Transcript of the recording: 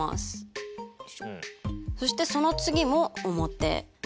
そしてその次も表。